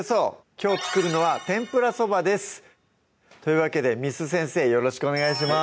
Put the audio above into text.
きょう作るのは「天ぷらそば」ですというわけで簾先生よろしくお願いします